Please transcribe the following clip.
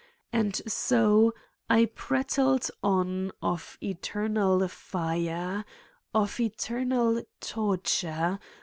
And so I prattled on of eternal fire. Of eternal torture.